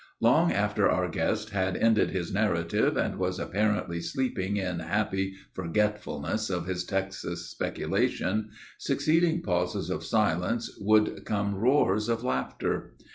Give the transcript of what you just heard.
Long after our guest had ended his narrative and was apparently sleeping in happy forgetfulness of his Texas speculation, succeeding pauses of silence would come roars of laughter.